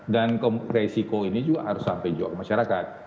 dan resiko ini juga harus sampai juga ke masyarakat